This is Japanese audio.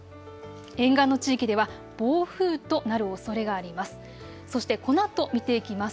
沿岸の地域では暴風となるおそれがあります。